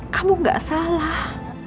kamu gak salah